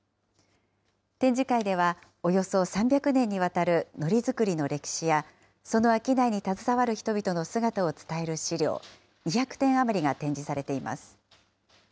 展示会ではおよそ３００年にわたるのり作りの歴史や、その商いに携わる人々の姿を伝える資料２００点余りが展示されています。